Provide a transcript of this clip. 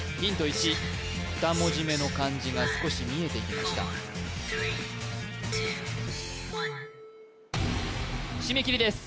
１二文字目の漢字が少し見えてきました締め切りです